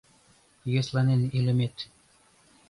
Йӧсланен илымет